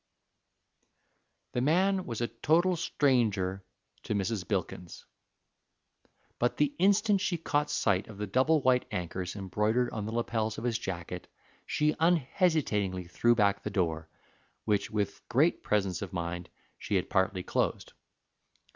The man was a total stranger to Mrs. Bilkins; but the instant she caught sight of the double white anchors embroidered on the lapels of his jacket, she unhesitatingly threw back the door, which with great presence of mind she had partly closed.